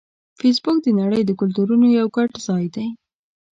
فېسبوک د نړۍ د کلتورونو یو ګډ ځای دی